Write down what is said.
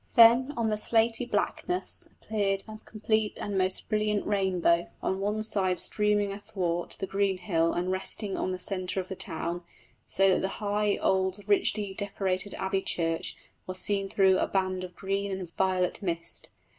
Then on the slaty blackness appeared a complete and most brilliant rainbow, on one side streaming athwart the green hill and resting on the centre of the town, so that the high, old, richly decorated Abbey Church was seen through a band of green and violet mist.